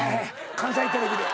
関西テレビで。